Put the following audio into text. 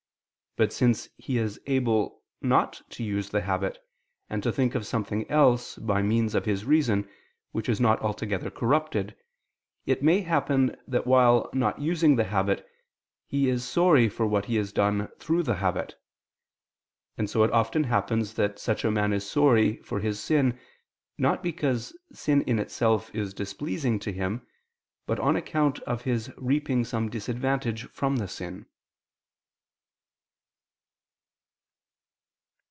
But since he is able not to use the habit, and to think of something else, by means of his reason, which is not altogether corrupted, it may happen that while not using the habit he is sorry for what he has done through the habit. And so it often happens that such a man is sorry for his sin not because sin in itself is displeasing to him, but on account of his reaping some disadvantage from the sin.